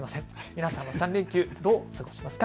皆さん３連休はどう過ごしますか。